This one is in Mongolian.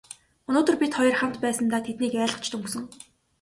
Өнөөдөр бид хоёр хамт байсандаа тэднийг айлгаж дөнгөсөн.